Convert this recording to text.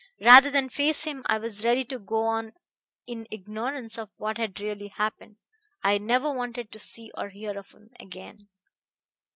Rather than face him, I was ready to go on in ignorance of what had really happened. I never wanted to see or hear of him again."